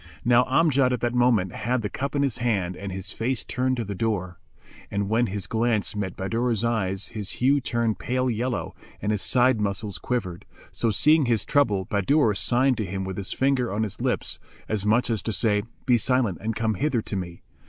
Now Amjad at that moment had the cup in his hand and his face turned to the door; and when his glance met Bahadur's eyes his hue turned pale yellow and his side muscles quivered, so seeing his trouble Bahadur signed to him with his finger on his lips, as much as to say, "Be silent and come hither to me."